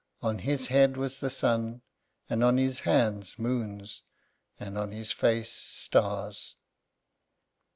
On his head was the sun; and on his hands, moons; and on his face, stars.